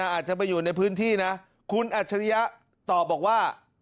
อาจจะไปอยู่ในพื้นที่นะคุณอัจฉริยะตอบบอกว่า